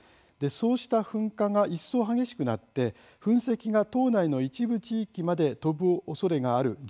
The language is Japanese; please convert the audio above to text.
そうした噴火が一層激しくなって噴石が、島内の一部地域まで飛ぶおそれがある状況です。